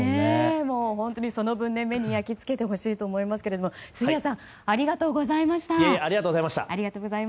その分、目に焼けつけてほしいと思いますが杉谷さんありがとうございました。